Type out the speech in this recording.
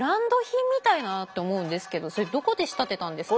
それどこで仕立てたんですか？